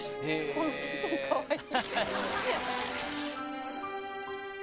この写真かわいい。